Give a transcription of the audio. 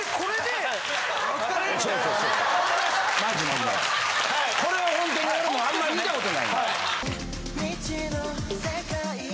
マジマジこれはホントに俺もあんまり見たことない。